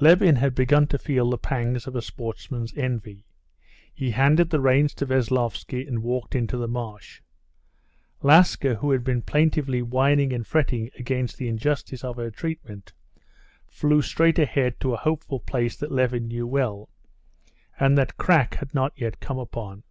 Levin had begun to feel the pangs of a sportsman's envy. He handed the reins to Veslovsky and walked into the marsh. Laska, who had been plaintively whining and fretting against the injustice of her treatment, flew straight ahead to a hopeful place that Levin knew well, and that Krak had not yet come upon.